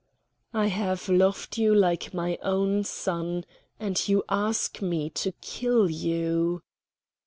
"I have loved you like my own son, and you ask me to kill you?"